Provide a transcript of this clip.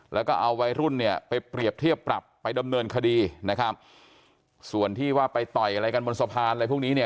แล้วก็เอาวัยรุ่นเนี่ยไปเปรียบเทียบปรับไปดำเนินคดีนะครับส่วนที่ว่าไปต่อยอะไรกันบนสะพานอะไรพวกนี้เนี่ย